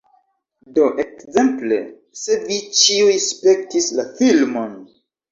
Do, ekzemple, se vi ĉiuj spektis la filmon